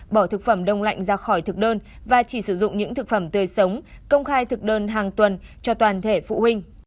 bỏ thực phẩm đông lạnh ra khỏi thực đơn và chỉ sử dụng những thực phẩm tươi sống công khai thực đơn hàng tuần cho toàn thể phụ huynh